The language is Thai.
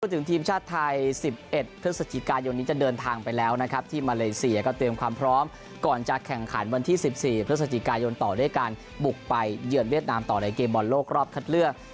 ถึงทีมชาติไทย๑๑พฤศจิกายนนี้จะเดินทางไปแล้วนะครับที่มาเลเซียก็เตรียมความพร้อมก่อนจะแข่งขันวันที่๑๔พฤศจิกายนต่อด้วยการบุกไปเยือนเวียดนามต่อในเกมบอลโลกรอบคัดเลือก